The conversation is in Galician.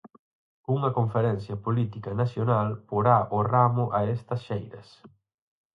Unha Conferencia Política Nacional porá o ramo a estas xeiras.